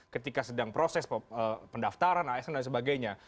ketika sedang proses pendaftaran asn dan sebagainya